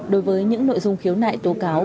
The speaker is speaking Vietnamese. đối với những nội dung khiếu nại tố cáo